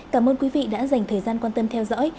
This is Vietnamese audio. cảm ơn quý vị đã dành thời gian quan tâm theo dõi